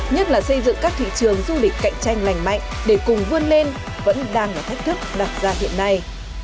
nhất là xây dựng các thị trường du lịch cạnh tranh lành mạnh để cùng vươn lên vẫn đang là thách thức đặt ra hiện nay